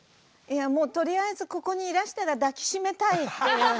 とりあえずここにいらしたら抱きしめたいっていう。